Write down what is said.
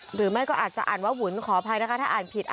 หรือไม่ก็อาจจะอ่านว่าหุนขออภัยนะคะถ้าอ่านผิด